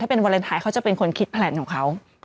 เป็นวาเลนไทยเขาจะเป็นคนคิดแพลนของเขา